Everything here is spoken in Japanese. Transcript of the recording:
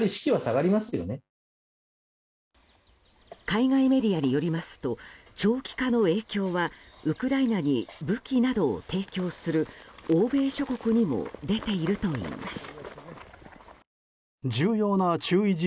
海外メディアによりますと長期化の影響はウクライナに武器などを提供する欧米諸国にも出ているといいます。